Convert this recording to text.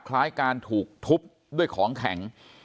คล้ายการถูกทุบด้วยของแข็ง